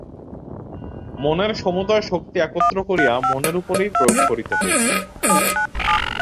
মনের সমুদয় শক্তি একত্র করিয়া মনের উপরেই প্রয়োগ করিতে হইবে।